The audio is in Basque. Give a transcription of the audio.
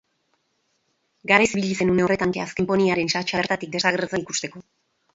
Garaiz ibili zen une horretantxe azken poneyaren isatsa bertatik desagertzen ikusteko.